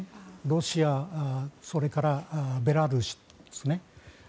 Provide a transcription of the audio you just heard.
ロシアそれからベラルーシですね。